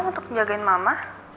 untuk menjaga mama